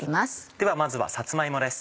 ではまずはさつま芋です。